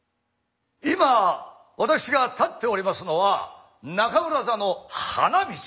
今私が立っておりますのは中村座の花道。